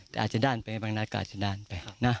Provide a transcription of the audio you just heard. แต่อาจจะด้านไปบางนาก็อาจจะด้านไปนะ